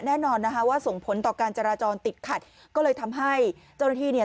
แน่นอนนะคะว่าส่งผลต่อการจราจรติดขัดก็เลยทำให้เจ้าหน้าที่เนี่ย